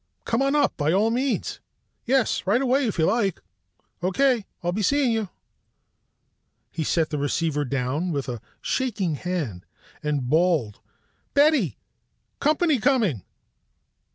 "Come on up, b by all means Yes, right away if you like Okay, I I'll be seeing you " He set the receiver down with a shaking hand and bawled: "Betty! Company coming!"